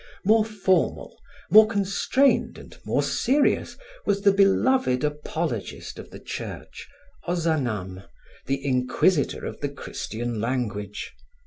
More formal, more constrained and more serious was the beloved apologist of the Church, Ozanam, the inquisitor of the Christian language.